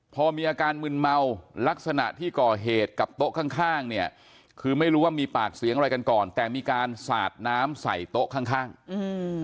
พอมีอาการมึนเมาลักษณะที่ก่อเหตุกับโต๊ะข้างข้างเนี่ยคือไม่รู้ว่ามีปากเสียงอะไรกันก่อนแต่มีการสาดน้ำใส่โต๊ะข้างข้างอืม